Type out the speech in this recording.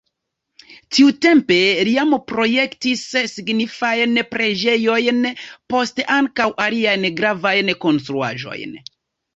Tiutempe li jam projektis signifajn preĝejojn, poste ankaŭ aliajn gravajn konstruaĵojn.